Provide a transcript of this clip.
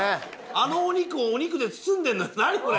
あのお肉をお肉で包んでんのよ。